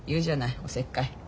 おせっかい。